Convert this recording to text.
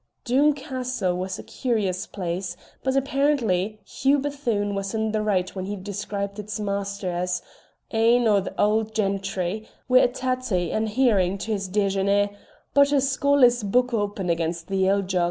Doom Castle was a curious place, but apparently Hugh Bethune was in the right when he described its master as "ane o' the auld gentry, wi' a tattie and herrin' to his déjeune, but a scholar's book open against the ale jug."